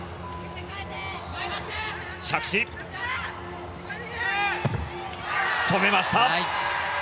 着地、止めました。